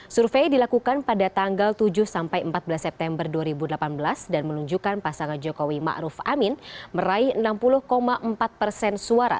survei dilakukan pada tanggal tujuh sampai empat belas september dua ribu delapan belas dan menunjukkan pasangan jokowi ⁇ maruf ⁇ amin meraih enam puluh empat persen suara